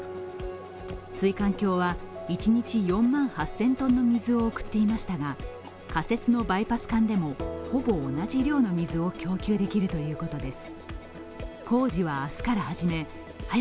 水管橋は一日４万８０００ｔの水を送っていましたが仮設のバイパス管でもほぼ同じ量の水を供給できるということです。